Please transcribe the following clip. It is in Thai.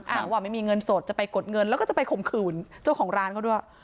อ้างว่าไม่มีเงินสดจะไปกดเงินแล้วก็จะไปข่มขืนเจ้าของร้านเขาด้วย